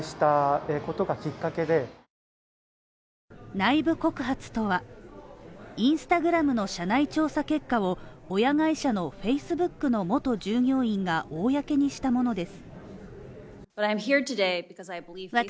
内部告発とはＩｎｓｔａｇｒａｍの社内調査結果を、親会社のＦａｃｅｂｏｏｋの元従業員が公にしたものです。